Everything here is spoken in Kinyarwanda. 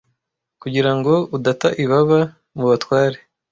kugirango udata ibaba mu batware